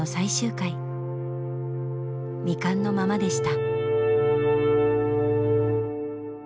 未完のままでした。